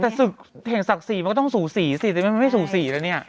ิกเพลงศักดิ์ศรีที่ต้องสูศรีใช่ไหมไม่สูศรีนะเนี่ย